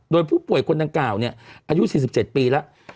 โดยผู้ป่วยคนดังกล่าวอายุ๔๗ปีแล้ว